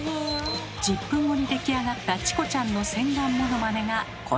１０分後に出来上がったチコちゃんの洗顔ものまねがこちら。